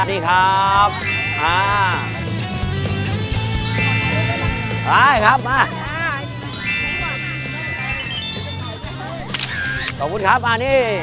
เอาล่ะครับมา